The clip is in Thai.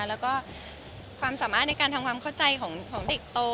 แล้วก็ความสามารถในการทำความเข้าใจของเด็กโต